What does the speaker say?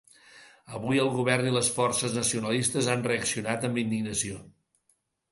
Avui el govern i les forces nacionalistes han reaccionat amb indignació.